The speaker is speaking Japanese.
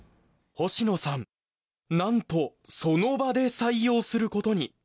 星野さんなんとその場で採用することに。